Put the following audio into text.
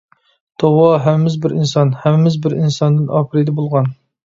توۋا، ھەممىمىز بىر ئىنسان، ھەممىمىز بىر ئىنساندىن ئاپىرىدە بولغان.